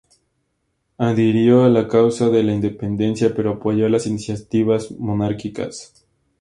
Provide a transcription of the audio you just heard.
Adhirió a la causa de la independencia, pero apoyó las iniciativas monárquicas.